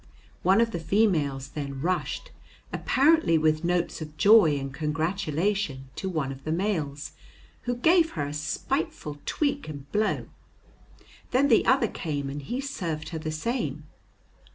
One of the females then rushed, apparently with notes of joy and congratulation, to one of the males, who gave her a spiteful tweak and blow. Then the other came and he served her the same.